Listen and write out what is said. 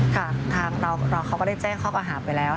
ทางเราเขาก็ได้แจ้งข้อกล่าหาไปแล้ว